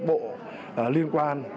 và các bộ liên quan